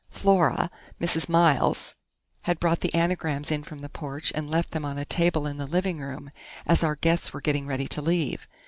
Flora Mrs. Miles had brought the anagrams in from the porch and left them on a table in the living room, as our guests were getting ready to leave.